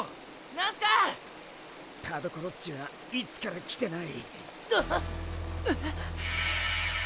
なんすかぁ⁉田所っちはいつから来てない？